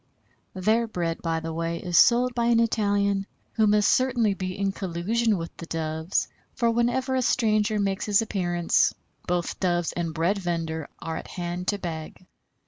Their bread, by the way, is sold by an Italian, who must certainly be in collusion with the Doves, for whenever a stranger makes his appearance, both Doves and bread vender are at hand to beg.